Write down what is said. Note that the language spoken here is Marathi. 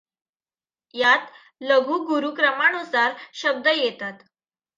यात लघुगुरूक्रमानुसार शब्द येतात.